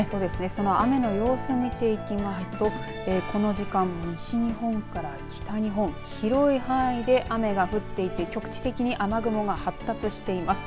その雨の様子を見ていきますとこの時間、西日本から北日本広い範囲で雨が降っていて局地的に雨雲が発達しています。